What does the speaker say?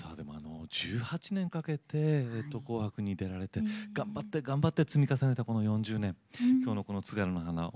１８年かけて「紅白」に出られて頑張って頑張って積み重ねたこの４０年今日のこの「津軽の花」